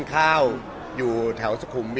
เค้าเจอแต่ในรูป